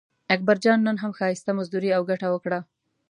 اکبرجان نن هم ښایسته مزدوري او ګټه وکړه.